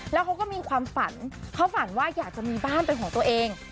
แล้วเขาก็มีความฝันเขาฝันว่าอยากจะมีบ้านเป็นของตัวเอง